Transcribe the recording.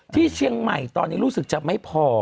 ที่เชียงใหม่ตอนนี้รู้สึกจะไม่พอ